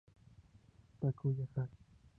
Takuya Hara